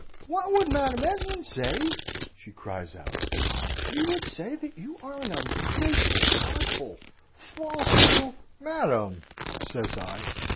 "'What would Madam Esmond say?' she cries out. 'She would say that you are an ungrateful, artful, false, little ' "'Madam!' says I.